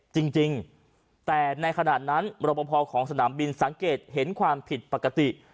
จริงแต่ในขณะนั้นรบพอของสนามบินสังเกตเห็นความผิดปกติ